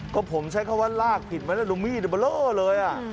ก็ผมใช้คำว่าลากผิดมาแล้วดูมีดบะโล่เลยอ่ะ